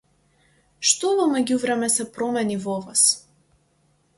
Што во меѓувреме се промени во вас?